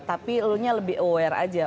tapi lo nya lebih aware aja